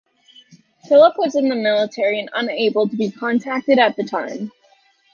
Philipp was in the military and unable to be contacted at the time.